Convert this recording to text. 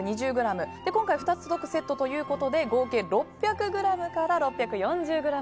今回２つ届くセットということで合計６００ｇから６４０ｇです。